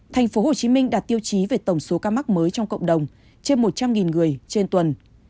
thành phố hồ chí minh đạt tiêu chí về tổng số các mắc mới trong cộng đồng trên một trăm linh người trên tuần